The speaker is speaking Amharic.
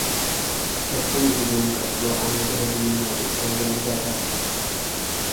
እርሱም ጉዞውን ቀጥሎ አንድ እህል የሚያጭድ ሰው ዘንድ ደረሰ፡፡